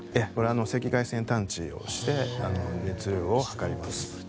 赤外線探知をして熱量を測ります。